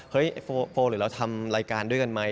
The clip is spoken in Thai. เฮ้ยโฟลหรือเราทำรายการด้วยกันมั้ย